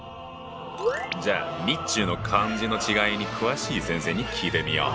じゃあ日中の漢字の違いに詳しい先生に聞いてみよう。